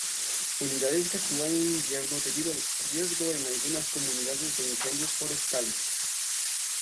Unidades que actúan en invierno debido al riesgo en algunas comunidades de incendios forestales.